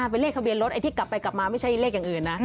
เป็นเลขทะเบียนรถไอ้ที่กลับไปกลับมาไม่ใช่เลขอย่างอื่นนะ